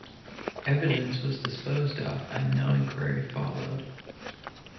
Evidence was disposed of and no inquiry followed.